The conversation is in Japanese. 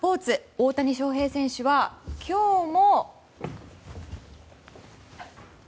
大谷翔平選手は今日も。